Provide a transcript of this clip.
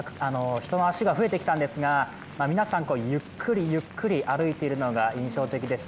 日との足が増えてきたんですが、皆さん、ゆっくりゆっくり歩いているのが印象的です。